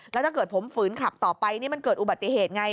แล้วถ้าเกิดผมฝืนขับต่อไปนี่มันเกิดอุบัติเหตุไง